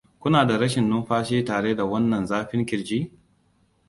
kuna da rashin numfashi tare da wannan zafin kirji?